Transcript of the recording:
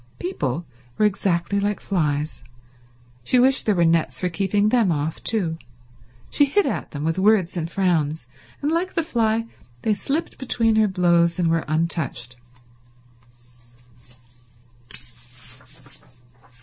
People were exactly like flies. She wished there were nets for keeping them off too. She hit at them with words and frowns, and like the fly they slipped between her blows and were untouched.